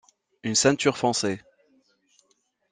Une ceinture foncée.